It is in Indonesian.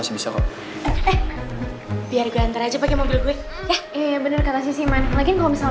ya bener bener kalau misalnya